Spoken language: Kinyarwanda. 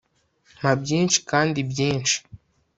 Mpa byinshi kandi byinshi